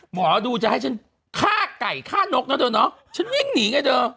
หมอดูจะให้ฉันฆ่าไก่ฆ่านกเนอะเดินเนอะฉันเร่งหนีไงเดิน